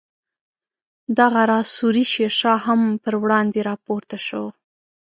دغه راز سوري شیر شاه هم پر وړاندې راپورته شو.